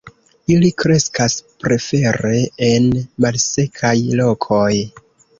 Ili kreskas prefere en malsekaj lokoj.